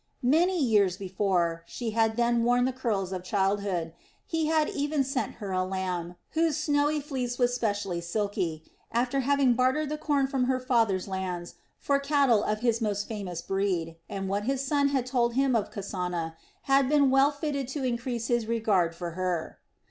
Many years before she had then worn the curls of childhood he had even sent her a lamb, whose snowy fleece was specially silky, after having bartered the corn from her father's lands for cattle of his most famous breed and what his son had told him of Kasana had been well fitted to increase his regard for her.